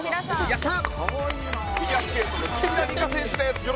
やった！